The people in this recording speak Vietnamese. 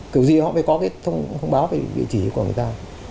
kiểu gì họ phải có cái thông báo về vị trí của người ta